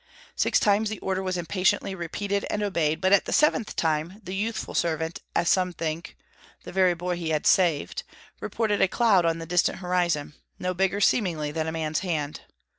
Six times the order was impatiently repeated and obeyed; but at the seventh time, the youthful servant as some think, the very boy he had saved reported a cloud in the distant horizon, no bigger seemingly than a man's hand.